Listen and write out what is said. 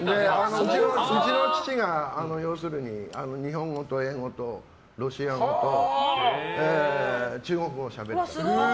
うちの父が、日本語と英語とロシア語と中国語をしゃべれた。